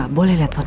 apa yang lu buat